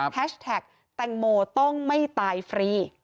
แท็กแตงโมต้องไม่ตายฟรี